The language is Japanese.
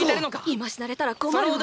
今死なれたら困るわ！